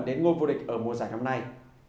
đến ngôi vô địch ở mùa giải năm nay